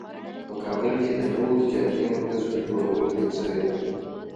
په کابل کې د نوو تجارتي مرکزونو جوړول پیل شوی ده